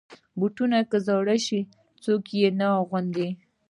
بوټونه که زوړ شي، څوک یې نه اغوندي.